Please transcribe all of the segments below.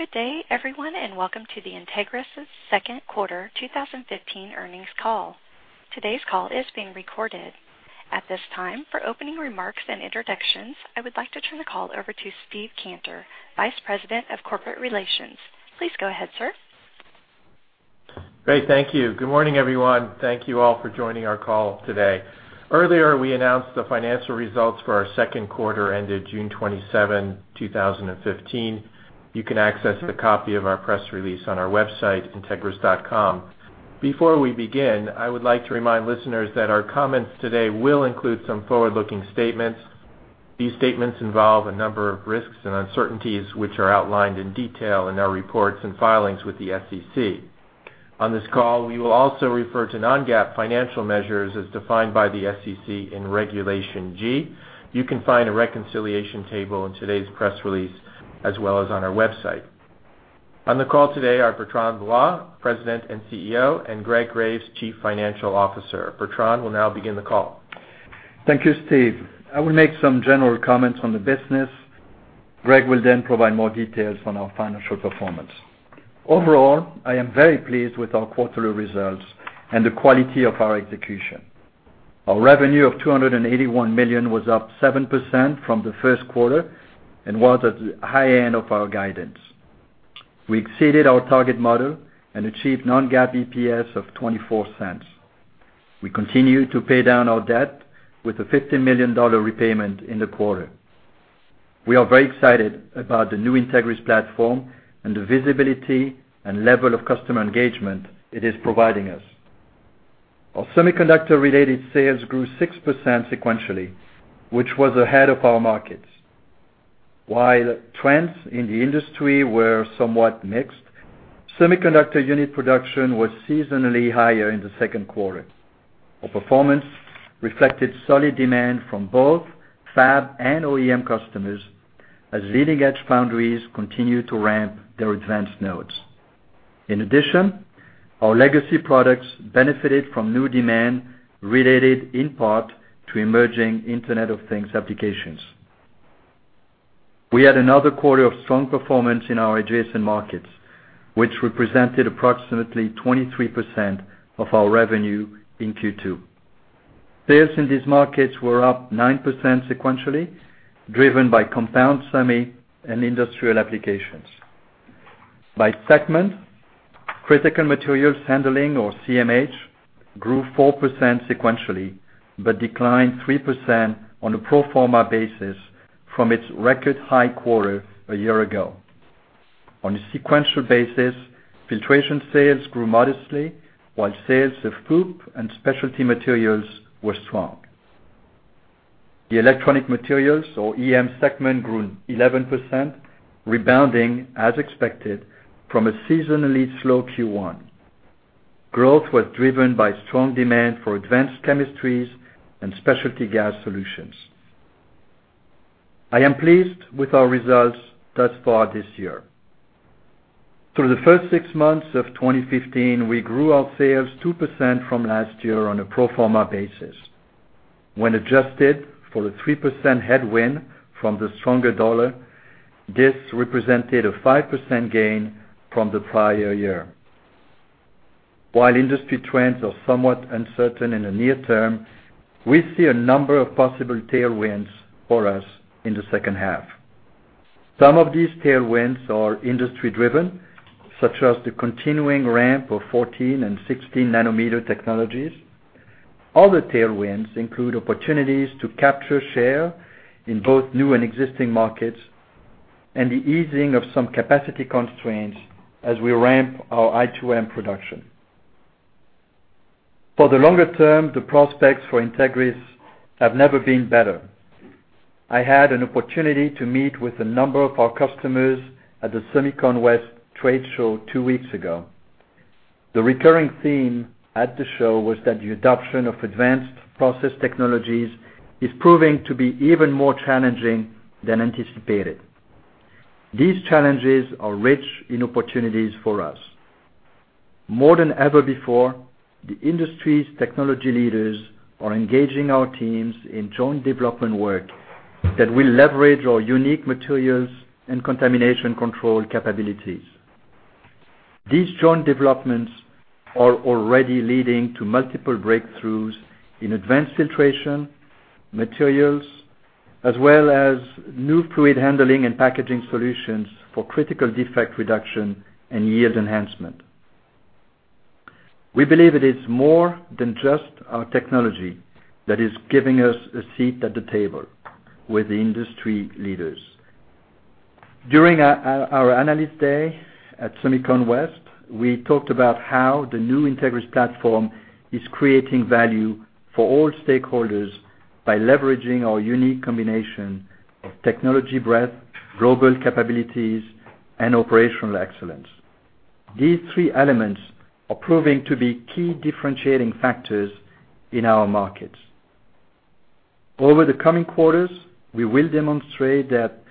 Good day everyone. Welcome to the Entegris second quarter 2015 earnings call. Today's call is being recorded. At this time, for opening remarks and introductions, I would like to turn the call over to Steve Cantor, Vice President of Corporate Relations. Please go ahead, sir. Great. Thank you. Good morning, everyone. Thank you all for joining our call today. Earlier, we announced the financial results for our second quarter ended June 27, 2015. You can access a copy of our press release on our website, entegris.com. Before we begin, I would like to remind listeners that our comments today will include some forward-looking statements. These statements involve a number of risks and uncertainties, which are outlined in detail in our reports and filings with the SEC. On this call, we will also refer to non-GAAP financial measures as defined by the SEC in Regulation G. You can find a reconciliation table in today's press release, as well as on our website. On the call today are Bertrand Loy, President and CEO, and Greg Graves, Chief Financial Officer. Bertrand will now begin the call. Thank you, Steve. I will make some general comments on the business. Greg will provide more details on our financial performance. Overall, I am very pleased with our quarterly results and the quality of our execution. Our revenue of $281 million was up 7% from the first quarter and was at the high end of our guidance. We exceeded our target model and achieved non-GAAP EPS of $0.24. We continue to pay down our debt with a $50 million repayment in the quarter. We are very excited about the new Entegris platform and the visibility and level of customer engagement it is providing us. Our semiconductor related sales grew 6% sequentially, which was ahead of our markets. While trends in the industry were somewhat mixed, semiconductor unit production was seasonally higher in the second quarter. Our performance reflected solid demand from both fab and OEM customers as leading-edge foundries continue to ramp their advanced nodes. In addition, our legacy products benefited from new demand related in part to emerging Internet of Things applications. We had another quarter of strong performance in our adjacent markets, which represented approximately 23% of our revenue in Q2. Sales in these markets were up 9% sequentially, driven by compound semiconductor and industrial applications. By segment, critical materials handling or CMH grew 4% sequentially, but declined 3% on a pro forma basis from its record high quarter a year ago. On a sequential basis, filtration sales grew modestly, while sales of fluid and specialty materials were strong. The electronic materials or EM segment grew 11%, rebounding as expected from a seasonally slow Q1. Growth was driven by strong demand for advanced chemistries and specialty gas solutions. I am pleased with our results thus far this year. Through the first six months of 2015, we grew our sales 2% from last year on a pro forma basis. When adjusted for the 3% headwind from the stronger dollar, this represented a 5% gain from the prior year. While industry trends are somewhat uncertain in the near term, we see a number of possible tailwinds for us in the second half. Some of these tailwinds are industry-driven, such as the continuing ramp of 14 and 16 nanometer technologies. Other tailwinds include opportunities to capture share in both new and existing markets and the easing of some capacity constraints as we ramp our i2M production. For the longer term, the prospects for Entegris have never been better. I had an opportunity to meet with a number of our customers at the SEMICON West trade show two weeks ago. The recurring theme at the show was that the adoption of advanced process technologies is proving to be even more challenging than anticipated. These challenges are rich in opportunities for us. More than ever before, the industry's technology leaders are engaging our teams in joint development work that will leverage our unique materials and contamination control capabilities. These joint developments are already leading to multiple breakthroughs in advanced filtration materials as well as new fluid handling and packaging solutions for critical defect reduction and yield enhancement. We believe it is more than just our technology that is giving us a seat at the table with the industry leaders. During our Analyst Day at SEMICON West, we talked about how the new Entegris platform is creating value for all stakeholders by leveraging our unique combination of technology breadth, global capabilities and operational excellence. These three elements are proving to be key differentiating factors in our markets. Over the coming quarters, we will demonstrate that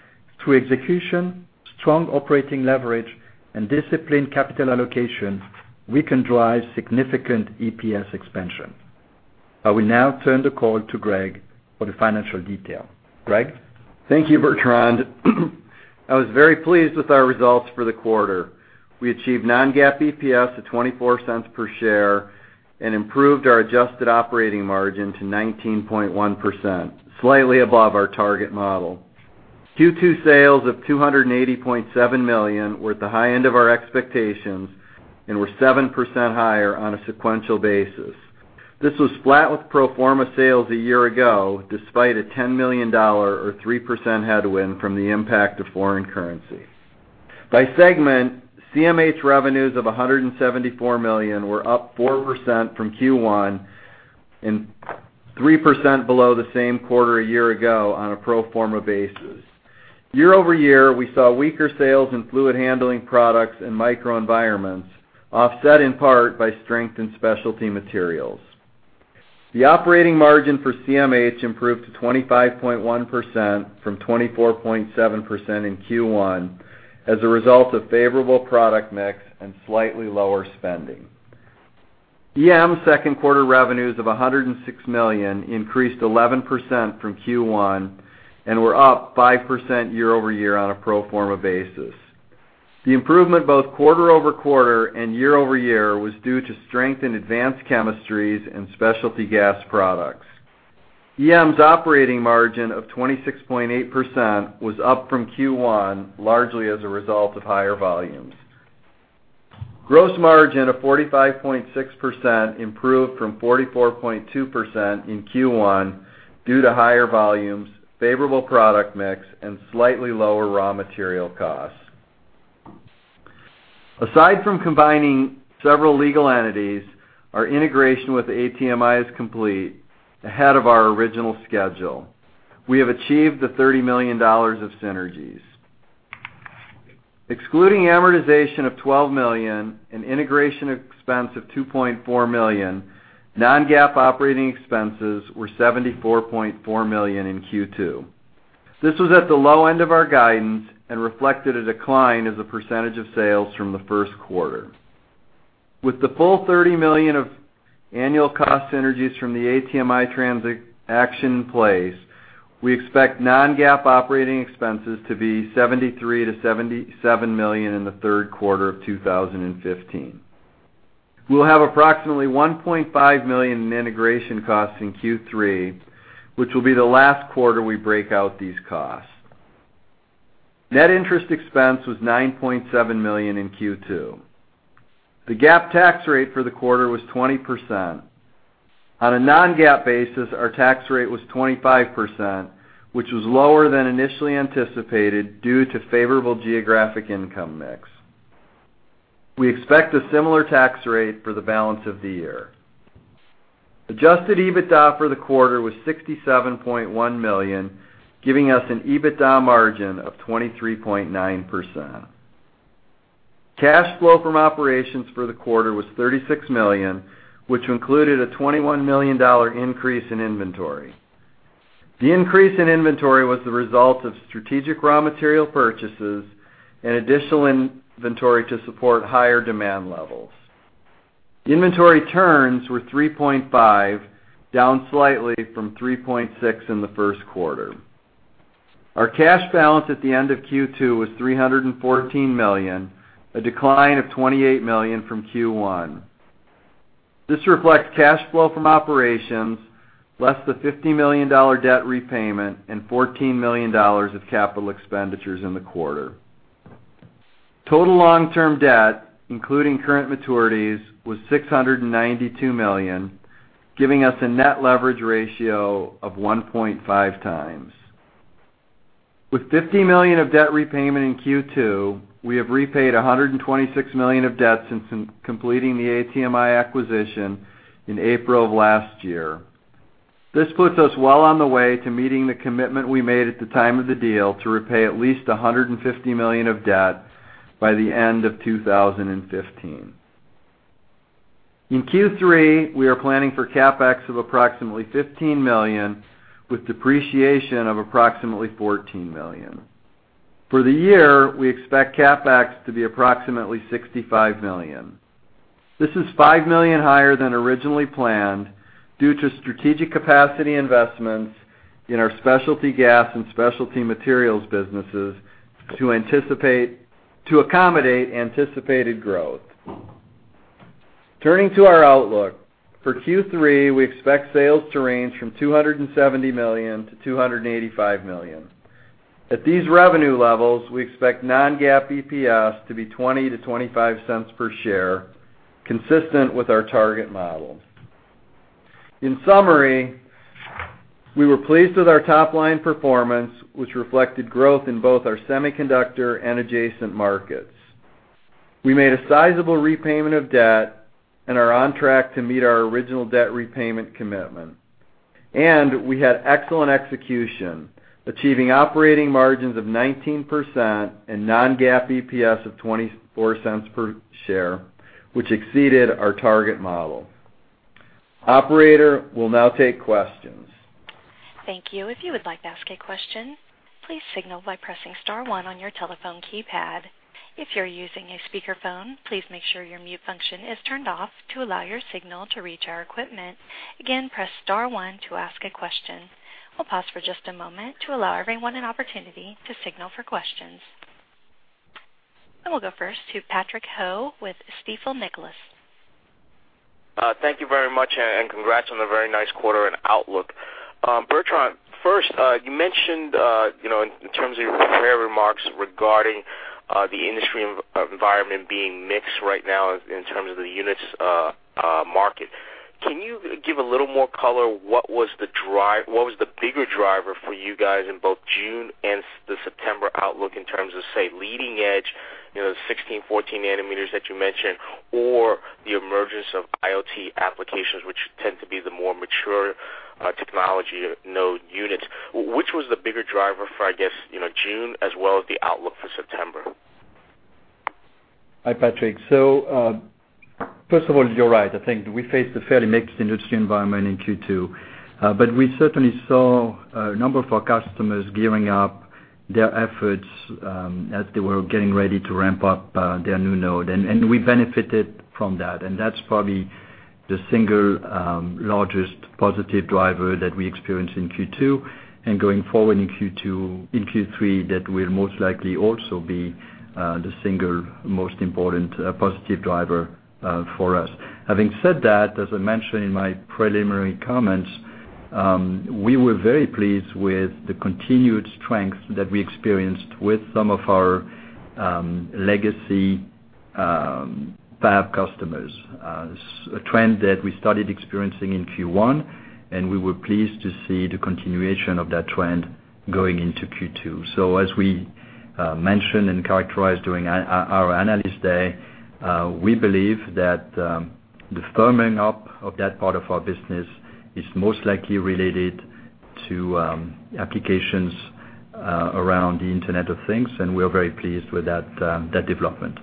through execution, strong operating leverage and disciplined capital allocation, we can drive significant EPS expansion. I will now turn the call to Greg for the financial detail. Greg? Thank you, Bertrand. I was very pleased with our results for the quarter. We achieved non-GAAP EPS of $0.24 per share and improved our adjusted operating margin to 19.1%, slightly above our target model. Q2 sales of $280.7 million were at the high end of our expectations and were 7% higher on a sequential basis. This was flat with pro forma sales a year ago, despite a $10 million or 3% headwind from the impact of foreign currency. By segment, CMH revenues of $174 million were up 4% from Q1 and 3% below the same quarter a year ago on a pro forma basis. Year-over-year, we saw weaker sales in fluid handling products and microenvironments, offset in part by strength in specialty materials. The operating margin for CMH improved to 25.1% from 24.7% in Q1 as a result of favorable product mix and slightly lower spending. EM second quarter revenues of $106 million increased 11% from Q1 and were up 5% year-over-year on a pro forma basis. The improvement both quarter-over-quarter and year-over-year was due to strength in advanced chemistries and specialty gas products. EM's operating margin of 26.8% was up from Q1 largely as a result of higher volumes. Gross margin of 45.6% improved from 44.2% in Q1 due to higher volumes, favorable product mix, and slightly lower raw material costs. Aside from combining several legal entities, our integration with ATMI is complete, ahead of our original schedule. We have achieved the $30 million of synergies. Excluding amortization of $12 million and integration expense of $2.4 million, non-GAAP operating expenses were $74.4 million in Q2. This was at the low end of our guidance and reflected a decline as a percentage of sales from the first quarter. With the full $30 million of annual cost synergies from the ATMI transaction in place, we expect non-GAAP operating expenses to be $73 million-$77 million in the third quarter of 2015. We will have approximately $1.5 million in integration costs in Q3, which will be the last quarter we break out these costs. Net interest expense was $9.7 million in Q2. The GAAP tax rate for the quarter was 20%. On a non-GAAP basis, our tax rate was 25%, which was lower than initially anticipated due to favorable geographic income mix. We expect a similar tax rate for the balance of the year. Adjusted EBITDA for the quarter was $67.1 million, giving us an EBITDA margin of 23.9%. Cash flow from operations for the quarter was $36 million, which included a $21 million increase in inventory. The increase in inventory was the result of strategic raw material purchases and additional inventory to support higher demand levels. Inventory turns were 3.5, down slightly from 3.6 in the first quarter. Our cash balance at the end of Q2 was $314 million, a decline of $28 million from Q1. This reflects cash flow from operations, less the $50 million debt repayment and $14 million of capital expenditures in the quarter. Total long-term debt, including current maturities, was $692 million, giving us a net leverage ratio of 1.5 times. With $50 million of debt repayment in Q2, we have repaid $126 million of debt since completing the ATMI acquisition in April of last year. This puts us well on the way to meeting the commitment we made at the time of the deal to repay at least $150 million of debt by the end of 2015. In Q3, we are planning for CapEx of approximately $15 million, with depreciation of approximately $14 million. For the year, we expect CapEx to be approximately $65 million. This is $5 million higher than originally planned due to strategic capacity investments in our specialty gas and specialty materials businesses to accommodate anticipated growth. Turning to our outlook, for Q3, we expect sales to range from $270 million-$285 million. At these revenue levels, we expect non-GAAP EPS to be $0.20-$0.25 per share, consistent with our target model. In summary, we were pleased with our top-line performance, which reflected growth in both our semiconductor and adjacent markets. We made a sizable repayment of debt and are on track to meet our original debt repayment commitment, and we had excellent execution, achieving operating margins of 19% and non-GAAP EPS of $0.24 per share, which exceeded our target model. Operator, we'll now take questions Thank you. If you would like to ask a question, please signal by pressing star one on your telephone keypad. If you're using a speakerphone, please make sure your mute function is turned off to allow your signal to reach our equipment. Again, press star one to ask a question. I'll pause for just a moment to allow everyone an opportunity to signal for questions. We'll go first to Patrick Ho with Stifel Nicolaus. Thank you very much, and congrats on a very nice quarter and outlook. Bertrand, first, you mentioned in terms of your prepared remarks regarding the industry environment being mixed right now in terms of the units market. Can you give a little more color? What was the bigger driver for you guys in both June and the September outlook in terms of, say, leading edge, the 16, 14 nanometers that you mentioned, or the emergence of IoT applications, which tend to be the more mature technology node units. Which was the bigger driver for, I guess, June as well as the outlook for September? Hi, Patrick. First of all, you're right. I think we faced a fairly mixed industry environment in Q2. We certainly saw a number of our customers gearing up their efforts as they were getting ready to ramp up their new node, and we benefited from that. That's probably the single largest positive driver that we experienced in Q2 and going forward in Q3, that will most likely also be the single most important positive driver for us. Having said that, as I mentioned in my preliminary comments, we were very pleased with the continued strength that we experienced with some of our legacy fab customers, a trend that we started experiencing in Q1, and we were pleased to see the continuation of that trend going into Q2. As we mentioned and characterized during our Analyst Day, we believe that the firming up of that part of our business is most likely related to applications around the Internet of Things, and we are very pleased with that development.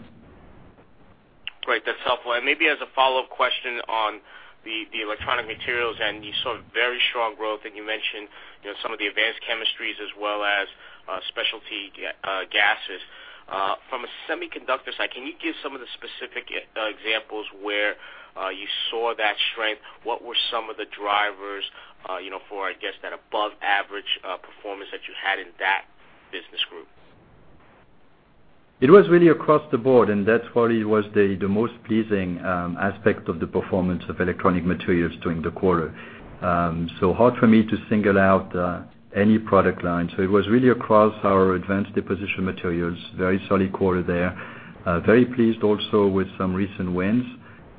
Great. That's helpful. Maybe as a follow-up question on the electronic materials and the sort of very strong growth that you mentioned, some of the advanced chemistries as well as specialty gases. From a semiconductor side, can you give some of the specific examples where you saw that strength? What were some of the drivers for, I guess, that above-average performance that you had in that business group? It was really across the board, and that probably was the most pleasing aspect of the performance of electronic materials during the quarter. Hard for me to single out any product line. It was really across our Advanced Deposition Materials, very solid quarter there. Very pleased also with some recent wins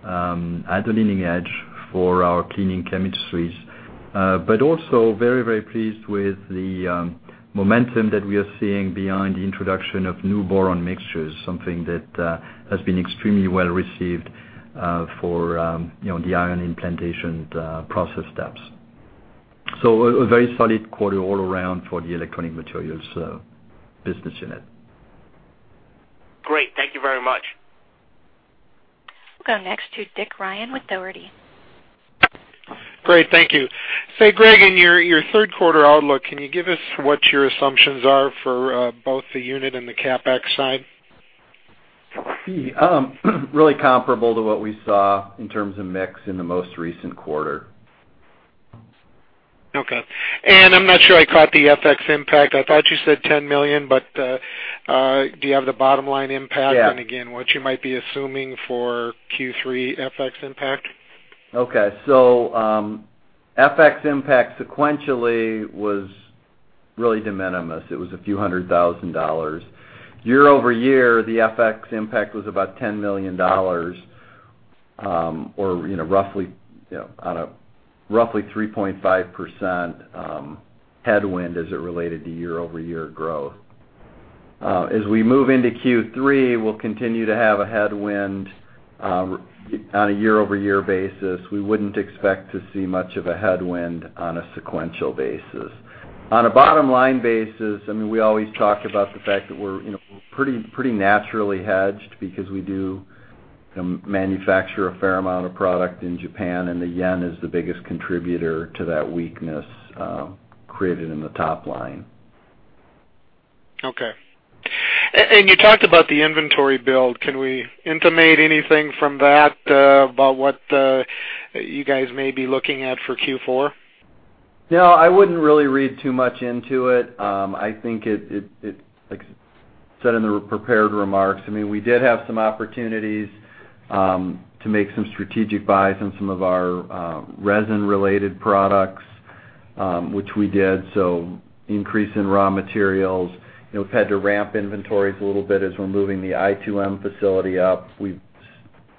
at the leading edge for our cleaning chemistries. Also very, very pleased with the momentum that we are seeing behind the introduction of new boron mixtures, something that has been extremely well received for the ion implantation process steps. A very solid quarter all around for the electronic materials business unit. Great. Thank you very much. We'll go next to Dick Ryan with Dougherty & Company. Great. Thank you. Say, Greg, in your third quarter outlook, can you give us what your assumptions are for both the unit and the CapEx side? Really comparable to what we saw in terms of mix in the most recent quarter. Okay. I'm not sure I caught the FX impact. I thought you said $10 million, do you have the bottom line impact? Yeah. What you might be assuming for Q3 FX impact? Okay. FX impact sequentially was really de minimis. It was a few hundred thousand dollars. Year-over-year, the FX impact was about $10 million, or roughly on a 3.5% headwind as it related to year-over-year growth. As we move into Q3, we'll continue to have a headwind on a year-over-year basis. We wouldn't expect to see much of a headwind on a sequential basis. On a bottom-line basis, we always talk about the fact that we're pretty naturally hedged because we do manufacture a fair amount of product in Japan, and the yen is the biggest contributor to that weakness created in the top line. Okay. You talked about the inventory build. Can we intimate anything from that about what you guys may be looking at for Q4? No, I wouldn't really read too much into it. I think it, like I said in the prepared remarks, we did have some opportunities to make some strategic buys on some of our resin-related products, which we did, so increase in raw materials. We've had to ramp inventories a little bit as we're moving the i2M facility up. We've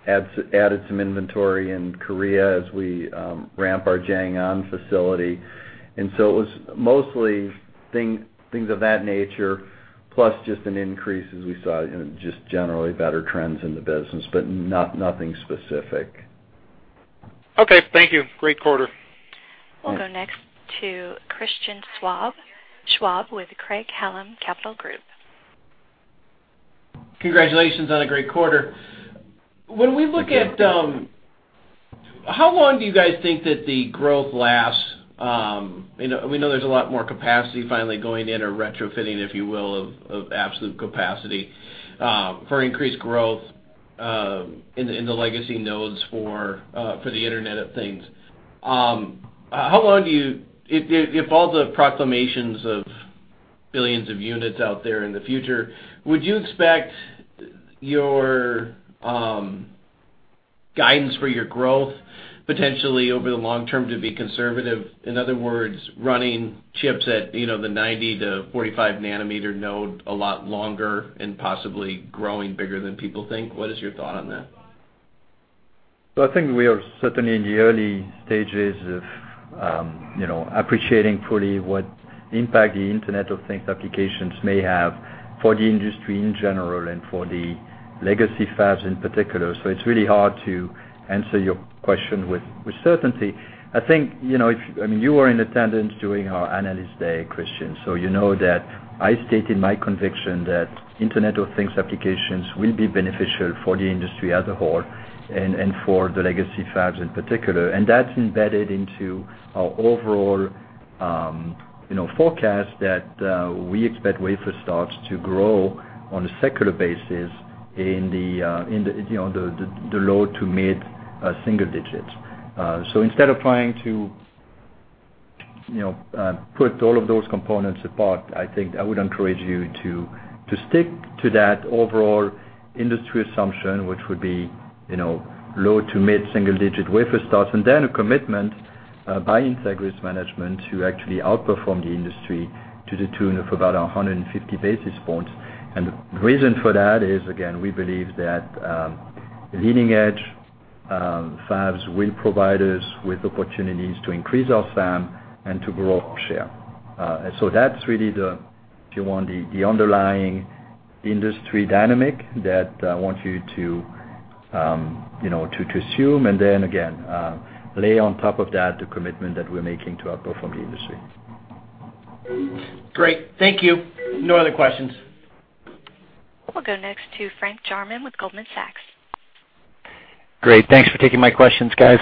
added some inventory in Korea as we ramp our JangAn facility. It was mostly things of that nature, plus just an increase as we saw, just generally better trends in the business, but nothing specific. Okay. Thank you. Great quarter. Thanks. We'll go next to Christian Schwab with Craig-Hallum Capital Group. Congratulations on a great quarter. How long do you guys think that the growth lasts? We know there's a lot more capacity finally going in or retrofitting, if you will, of absolute capacity, for increased growth in the legacy nodes for the Internet of Things. If all the proclamations of billions of units out there in the future, would you expect your guidance for your growth potentially over the long term to be conservative? In other words, running chips at the 90-45 nanometer node a lot longer and possibly growing bigger than people think. What is your thought on that? I think we are certainly in the early stages of appreciating fully what impact the Internet of Things applications may have for the industry in general and for the legacy fabs in particular. It's really hard to answer your question with certainty. I think, you were in attendance during our Analyst Day, Christian, you know that I stated my conviction that Internet of Things applications will be beneficial for the industry as a whole and for the legacy fabs in particular. That's embedded into our overall forecast that we expect wafer starts to grow on a secular basis in the low to mid single digits. Instead of trying to put all of those components apart, I think I would encourage you to stick to that overall industry assumption, which would be low to mid single-digit wafer starts, and then a commitment by Entegris management to actually outperform the industry to the tune of about 150 basis points. The reason for that is, again, we believe that leading-edge fabs will provide us with opportunities to increase our fab and to grow our share. That's really the underlying industry dynamic that I want you to assume and then again, lay on top of that the commitment that we're making to outperform the industry. Great. Thank you. No other questions. We'll go next to Frank Jarmon with Goldman Sachs. Great. Thanks for taking my questions, guys.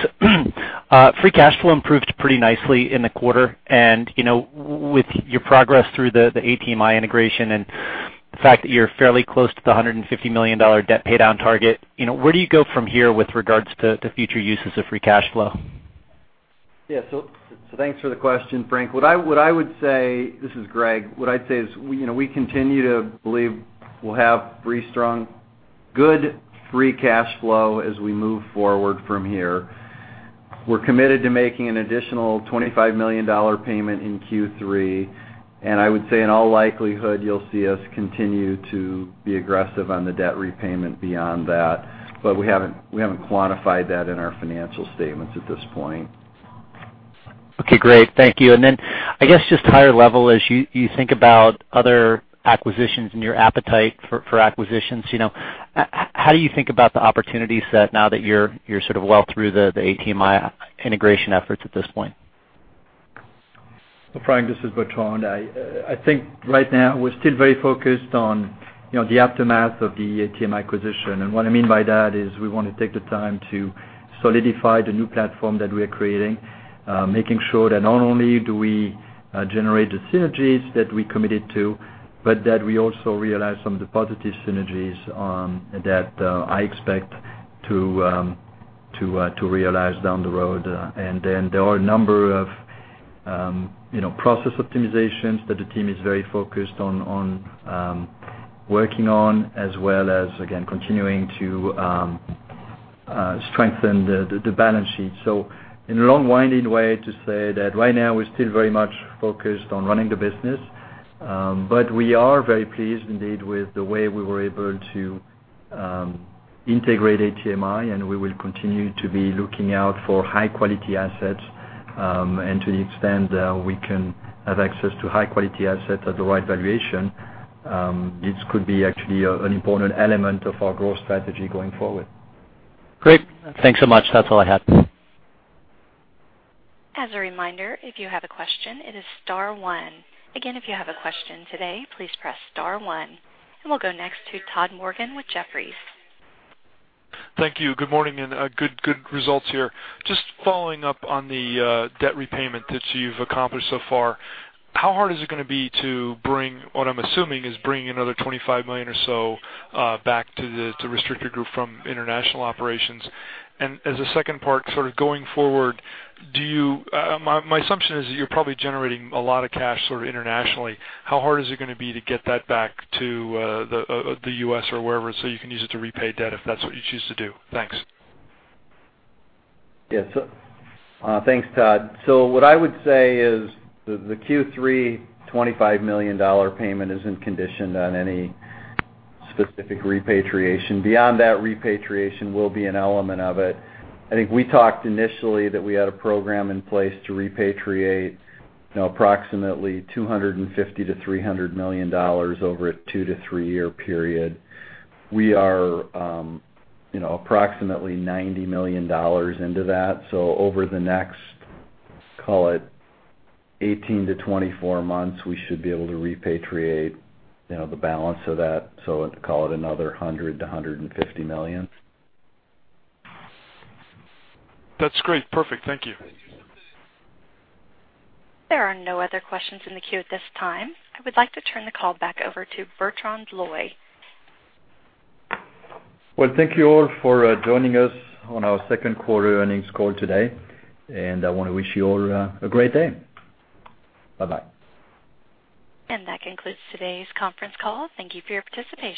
Free cash flow improved pretty nicely in the quarter, and with your progress through the ATMI integration and the fact that you're fairly close to the $150 million debt paydown target, where do you go from here with regards to future uses of free cash flow? Yeah. Thanks for the question, Frank. This is Greg. What I would say is we continue to believe we'll have pretty strong, good, free cash flow as we move forward from here. We're committed to making an additional $25 million payment in Q3. I would say in all likelihood, you'll see us continue to be aggressive on the debt repayment beyond that. We haven't quantified that in our financial statements at this point. Okay, great. Thank you. Then, I guess, just higher level as you think about other acquisitions and your appetite for acquisitions, how do you think about the opportunity set now that you're sort of well through the ATMI integration efforts at this point? Well, Frank, this is Bertrand. I think right now we're still very focused on the aftermath of the ATMI acquisition. What I mean by that is we want to take the time to solidify the new platform that we're creating, making sure that not only do we generate the synergies that we committed to, that we also realize some of the positive synergies that I expect to realize down the road. Then there are a number of process optimizations that the team is very focused on working on, as well as, again, continuing to strengthen the balance sheet. In a long-winded way to say that right now we're still very much focused on running the business. We are very pleased indeed with the way we were able to integrate ATMI. We will continue to be looking out for high-quality assets and to the extent we can have access to high-quality assets at the right valuation, this could be actually an important element of our growth strategy going forward. Great. Thanks so much. That's all I had. As a reminder, if you have a question, it is star one. Again, if you have a question today, please press star one, and we'll go next to Todd Morgan with Jefferies. Thank you. Good morning and good results here. Just following up on the debt repayment that you've accomplished so far, how hard is it going to be to bring, what I'm assuming is bring another $25 million or so back to the restricted group from international operations? As a second part, sort of going forward, my assumption is that you're probably generating a lot of cash sort of internationally. How hard is it going to be to get that back to the U.S. or wherever, so you can use it to repay debt if that's what you choose to do? Thanks. Yeah. Thanks, Todd. What I would say is the Q3 $25 million payment isn't conditioned on any specific repatriation. Beyond that, repatriation will be an element of it. I think we talked initially that we had a program in place to repatriate approximately $250 million-$300 million over a two to three-year period. We are approximately $90 million into that. Over the next, call it 18 to 24 months, we should be able to repatriate the balance of that. Call it another $100 million-$150 million. That's great. Perfect. Thank you. There are no other questions in the queue at this time. I would like to turn the call back over to Bertrand Loy. Well, thank you all for joining us on our second quarter earnings call today, and I want to wish you all a great day. Bye-bye. That concludes today's conference call. Thank you for your participation.